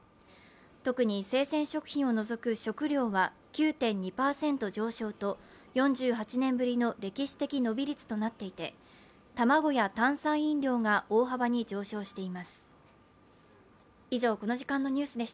特に、生鮮食品を除く食料は９．２％上昇と４８年ぶりの歴史的伸び率となっていて、卵や炭酸飲料が大幅に上昇しています。